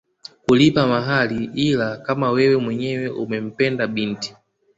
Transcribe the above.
Kulipa mahari ila kama wewe mwenyewe umempenda binti